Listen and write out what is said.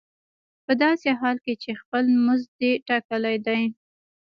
په داسې حال کې چې خپل مزد دې ټاکلی دی